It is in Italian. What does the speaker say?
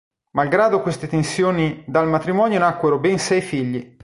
Malgrado queste tensioni dal matrimonio nacquero ben sei figli.